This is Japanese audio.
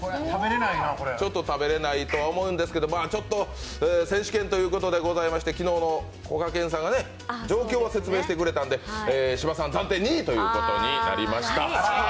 ちょっと食べれないとは思うんですけど、ちょっと選手権ということでございまして昨日のこがけんさんが状況は説明してくれたんで、芝さん暫定２位ということになりました。